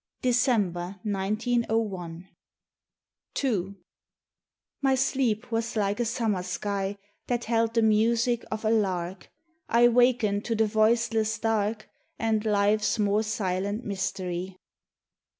December, 1 90 1 . THE TESTIMONY OF THE SUNS. II. My sleep was like a summer sky That held the music of a lark: I waken to the voiceless dark And life's more silent mystery.